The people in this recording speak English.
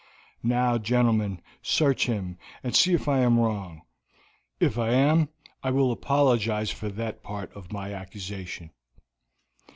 Now, gentlemen, search him and see if I am wrong; if I am I will apologize for that part of my accusation."